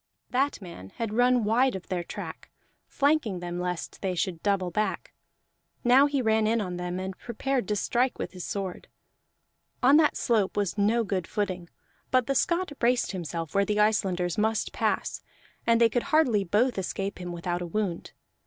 That man had run wide of their track, flanking them lest they should double back; now he ran in on them and prepared to strike with his sword. On that slope was no good footing; but the Scot braced himself where the Icelanders must pass, and they could hardly both escape him without a wound.